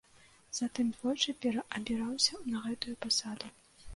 Затым двойчы пераабіраўся на гэтую пасаду.